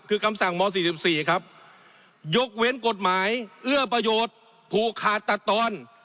คือคำสั่งม๔๔ครับยกเว้นกฎหมายเอื้อประโยชน์ผูกขาดตัดตอน